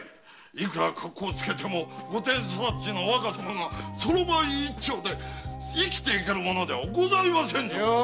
いくら格好つけても御殿育ちの若様がソロバン一つで生きていけるものではございませぬぞ！